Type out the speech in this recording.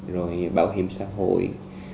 rồi bảo hiểm xã hội